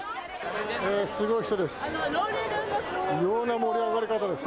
すごい人です。